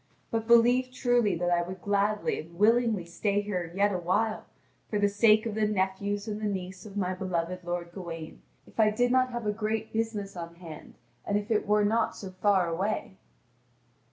But believe truly that I would gladly and willingly stay here yet awhile for the sake of the nephews and the niece of my beloved lord Gawain, if I did not have a great business on hand, and if it were not so far away."